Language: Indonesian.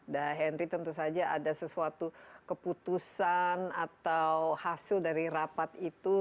da henry tentu saja ada sesuatu keputusan atau hasil dari rapat itu